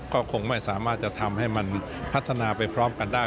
ก็คงไม่สามารถจะทำให้มันพัฒนาไปพร้อมกันได้